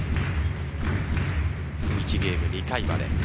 １ゲーム２回まで。